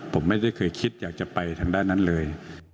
ผมไม่ได้เคยคิดอยากจะไปทางด้านนั้นเลย